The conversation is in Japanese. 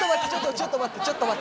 ちょっと待って！